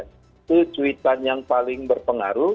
itu cuitan yang paling berpengaruh